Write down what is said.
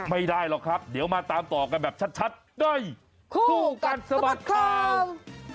ไม่ได้หรอกครับเดี๋ยวมาตามต่อกันแบบชัดด้วยคู่กัดสะบัดข่าว